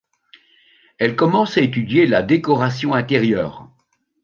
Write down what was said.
Elle commence à étudier la décoration intérieure.